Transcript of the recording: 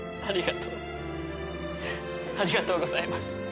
ありがとうございます。